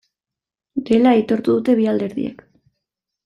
Dela aitortu dute bi alderdiek.